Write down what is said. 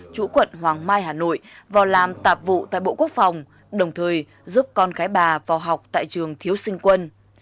chủ quận hoàng mai hà nội vào làm tạp vụ tại bộ quốc phòng đồng thời giúp con gái bà vào học tại trường thiếu sinh quân